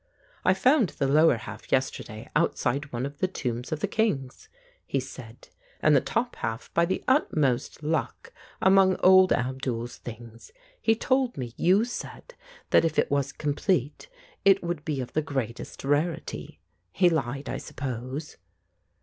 "I found the lower half yesterday outside one of the tombs of the kings," he said, "and the top half by the utmost luck among old Abdul's things. He told me you said that if it was complete it would be of the greatest rarity. He lied, I suppose?"